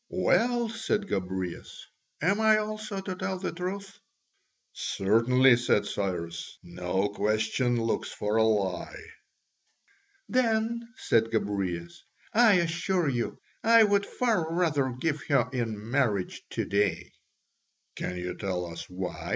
"Well," said Gobryas, "am I also to tell the truth?" "Certainly," said Cyrus, "no question looks for a lie." "Then," said Gobryas, "I assure you, I would far rather give her in marriage to day." "Can you tell us why?"